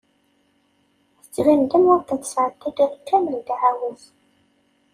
Tettban-d am wakken tesɛedda-d iḍ kamel d aɛawez.